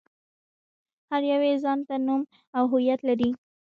هر يو يې ځان ته نوم او هويت لري.